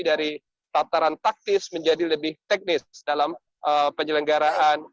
dari tataran taktis menjadi lebih teknis dalam penyelenggaraan